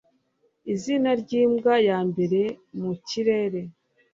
Izina ryimbwa yambere mu kirere